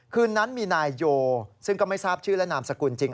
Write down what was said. คืนนั้นมีนายโยซึ่งก็ไม่ทราบชื่อและนามสกุลจริง